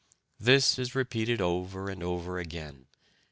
This is repeated over and over again.